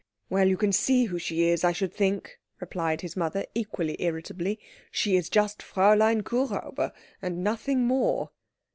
"Well, you can see who she is, I should think," replied his mother equally irritably. "She is just Fräulein Kuhräuber, and nothing more."